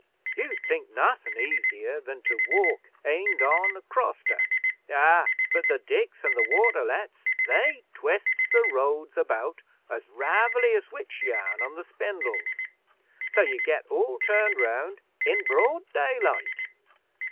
You'd think nothin' easier than to walk eend on acrost her? Ah, but the diks an' the water lets, they twists the roads about as ravelly as witch yarn on the spindles. So ye get all turned round in broad daylight.'